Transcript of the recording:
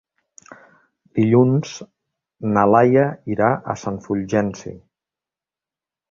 Dilluns na Laia irà a Sant Fulgenci.